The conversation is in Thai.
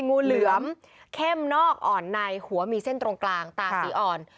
งูเหลือมเข้มนอกอ่อนในหัวมีเส้นตรงกลางตาสีอ่อน